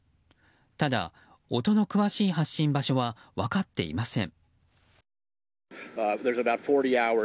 ただ、音の詳しい発信場所は分かっていません。